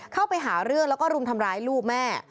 เข้าไปหาเรื่องแล้วก็รุมทำร้ายลูกแม่